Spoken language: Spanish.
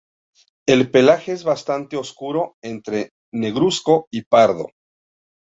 El pelaje es bastante oscuro, entre negruzco y pardo.